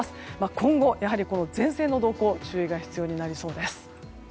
今後、前線の動向に注意が必要になりそうです。